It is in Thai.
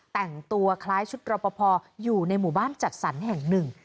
แต่งตัวคล้ายชุดรอปภอยู่ในหมู่บ้านจัดสรรแห่งหนึ่ง